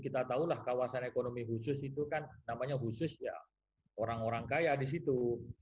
kita tahulah kawasan ekonomi khusus itu kan namanya khusus ya orang orang kaya di situ